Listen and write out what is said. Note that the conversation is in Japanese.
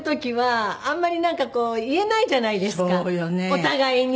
お互いに。